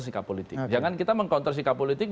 sikap politik jangan kita meng counter sikap politik